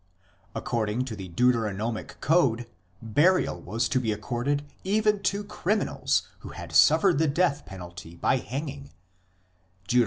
According to the Deuteronomic Code, burial was to be accorded even to criminals who had suffered the death penalty by hanging (Deut.